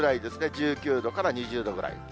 １９度から２０度ぐらい。